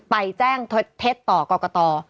ไปแจ้งเท็จต่อกรกต